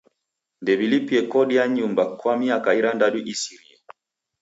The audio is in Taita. Ndew'ilipie kodi ya nyumba kwa miaka irandadu isirie.